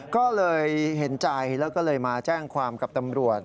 ก็เลยเห็นใจแล้วก็เลยมาแจ้งความกับตำรวจ